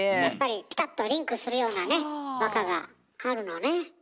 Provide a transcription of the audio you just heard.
やっぱりピタッとリンクするようなね和歌があるのね。